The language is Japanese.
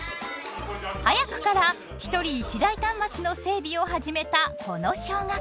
早くから１人１台端末の整備を始めたこの小学校。